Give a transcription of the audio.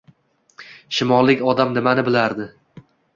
Shimollik odam nimani bilardi